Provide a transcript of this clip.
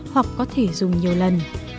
hoặc có thể dùng nhiều lần